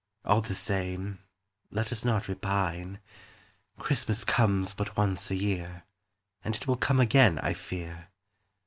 All the same, Let us not repine: Christmas comes but once a year, And it will come again, I fear.